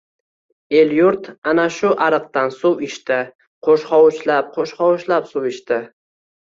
El-yurt ana shu ariqdan suv ichdi. Qo‘shhovuchlab-qo‘shhovuchlab suv ichdi.